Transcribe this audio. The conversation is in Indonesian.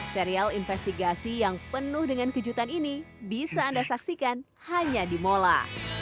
serial investigasi yang penuh dengan kejutan ini bisa anda saksikan hanya di mola